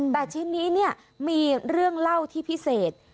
แต่ชิ้นนี้เนี่ยมีเรื่องเล่าที่พิเศษ